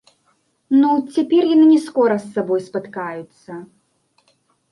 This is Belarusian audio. Ну, цяпер яны не скора з сабой спаткаюцца.